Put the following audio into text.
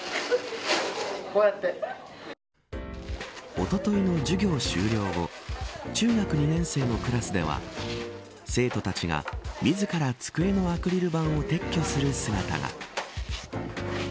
おとといの授業終了後中学２年生のクラスでは生徒たちが自ら机のアクリル板を撤去する姿が。